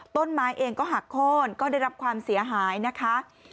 ต้นไม้เองก็หักโค้นก็ได้รับความเสียหายนะคะ